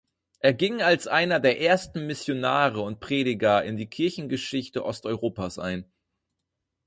Er ging als einer der ersten Missionare und Prediger in die Kirchengeschichte Osteuropas ein.